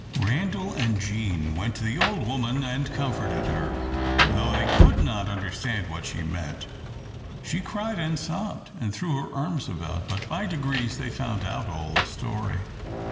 RANDAL and Jean went to the old woman and comforted her, though they could not understand what she meant. She cried and sobbed, and threw her arms about; but, by degrees, they found out all the story.